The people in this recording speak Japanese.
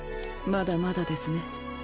まだまだですね。